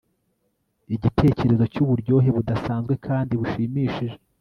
Igitekerezo cyuburyohe budasanzwe kandi bushimishije